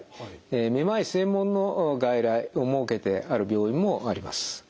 めまい専門の外来を設けてある病院もあります。